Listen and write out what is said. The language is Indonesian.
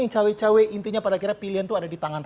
yang cawe cawe intinya pada kira pilihan itu ada di tangan